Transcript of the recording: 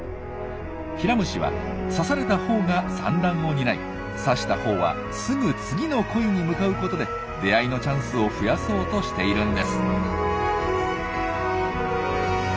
ヒラムシは刺されたほうが産卵を担い刺したほうはすぐ次の恋に向かうことで出会いのチャンスを増やそうとしているんです。